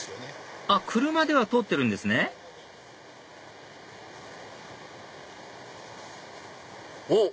あっ車では通ってるんですねおっ！